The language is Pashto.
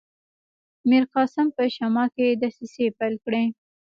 میرقاسم په شمال کې دسیسې پیل کړي.